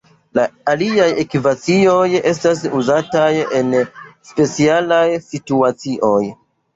La aliaj ekvacioj estas uzataj en specialaj situacioj.